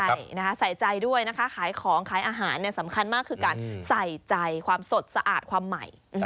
ใช่นะคะใส่ใจด้วยนะคะขายของขายอาหารสำคัญมากคือการใส่ใจความสดสะอาดความใหม่